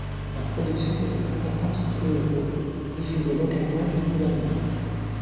Leur production peut être importante ou très limitée, diffusée localement ou mondialement.